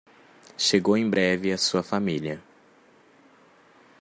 Chegou em breve a sua família